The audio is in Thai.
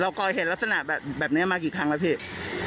ก่อเหตุลักษณะแบบนี้มากี่ครั้งแล้วพี่